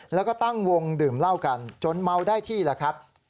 แล้วก็ตั้งวงดื่มเหล้ากันจนเมาได้ที่แหละครับ